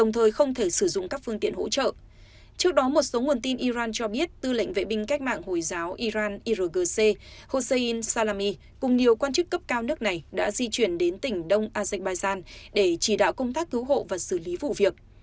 theo nguồn tin iran cho biết tư lệnh vệ binh cách mạng hồi giáo iran irgc hossein salami cùng nhiều quan chức cấp cao nước này đã di chuyển đến tỉnh đông azerbaijan để chỉ đạo công tác cứu hộ và xử lý vụ việc